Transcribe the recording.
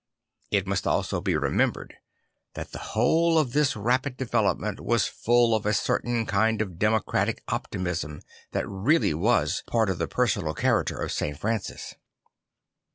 It must also be remembered that the whole of this rapid development was full of a certain kind of democratic optimism that really was part of the personal character of St. Francis.